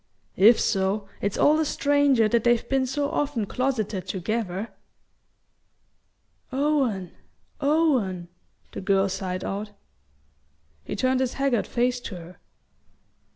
"If so, it's all the stranger that they've been so often closeted together!" "Owen, Owen " the girl sighed out. He turned his haggard face to her.